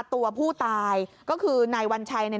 ตัวผู้ตายก็คือนายวัญชัย